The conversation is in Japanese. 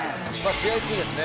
試合中ですね